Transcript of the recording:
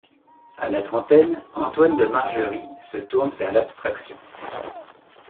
À la trentaine, Antoine de Margerie se tourne vers l'abstraction.